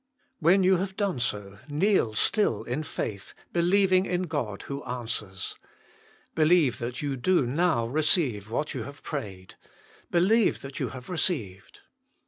When you have done so, kneel still in faith, believing in God who answers. Believe that you do now receive what you have prayed : believe that you have received.